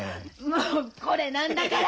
もうこれなんだから！